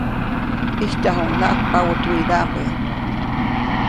ʼIjtyajuʼucnaʼajk paʼutuwidaʼmbä.